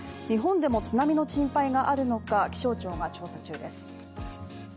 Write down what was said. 日本でも津波の心配があるのか、気象庁が調査中です。